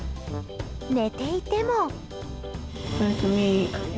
寝ていても。